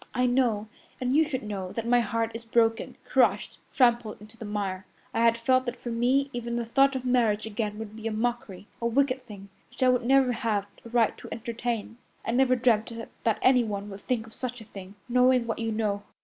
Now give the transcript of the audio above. I know, and you should know, that my heart is broken, crushed, trampled into the mire. I had felt that for me even the thought of marriage again would be a mockery, a wicked thing, which I would never have a right to entertain. I never dreamt that anyone would think of such a thing, knowing what you know.